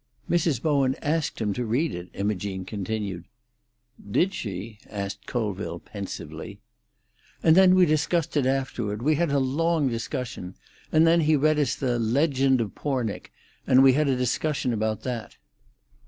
"Mrs. Bowen asked him to read it," Imogene continued. "Did she?" asked Colville pensively. "And then we discussed it afterward. We had a long discussion. And then he read us the 'Legend of Pornic,' and we had a discussion about that.